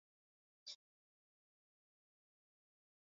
huku akiifungia klau hiyo mabao zaidi ya mia sita